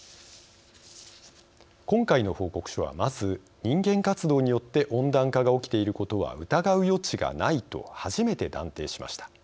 今回の報告書はまず、人間活動によって温暖化が起きていることは疑う余地がないと初めて断定しました。